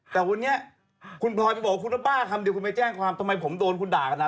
แต่วันนี้คุณพลอยไปบอกว่าคุณต้องบ้าคำเดียวคุณไปแจ้งความทำไมผมโดนคุณด่ากันอ่ะ